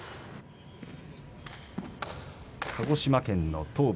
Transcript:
鹿児島県の東部